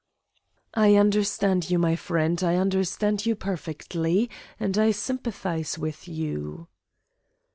"I understand you, my friend, I understand you perfectly, and I sympathise with you."